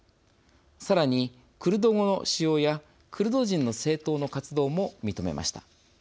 さらに、クルド語の使用やクルド人の政党の活動も認めました。